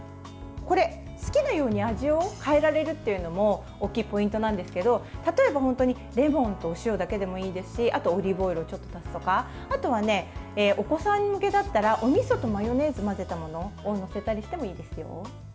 これ、好きなように味を変えられるというのも大きいポイントなんですけど例えば、本当にレモンとお塩だけでもいいですしあと、オリーブオイルをちょっと足すとかあとは、お子さん向けだったらおみそとマヨネーズを混ぜたものを載せたりしてもいいですよ。